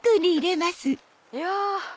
いや！